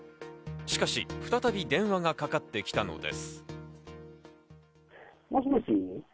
しかし、再び電話がかかってきたのです。